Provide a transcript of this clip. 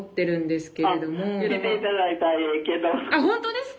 あっ本当ですか？